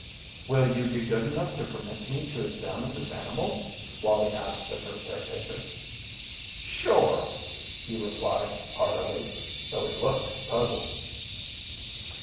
"Will you be good enough to permit me to examine this animal?" Wallie asked of her caretaker. "Shore," he replied, heartily, though he looked puzzled.